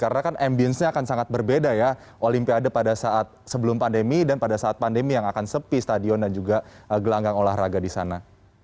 karena kan ambience nya akan sangat berbeda ya olimpiade pada saat sebelum pandemi dan pada saat pandemi yang akan sepi stadion dan juga gelanggang olahraga di sana